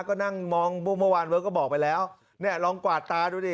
ก็นั่งมองเมื่อวานเวิร์คก็บอกไปแล้วเนี่ยลองกวาดตาดูดิ